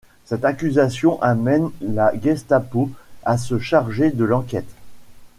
Cette accusation amène la gestapo à se charger de l'enquête.